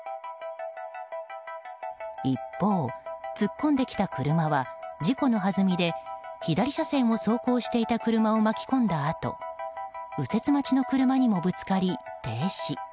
一方、突っ込んできた車は事故のはずみで左車線を走行していた車を巻き込んだあと右折待ちの車にもぶつかり、停止。